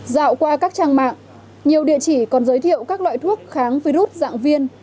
dạo qua các trang mạng nhiều địa chỉ còn giới thiệu các loại thuốc kháng virus dạng viên